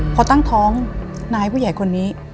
พอตั้งท้องนายผู้ใหญ่คนนี้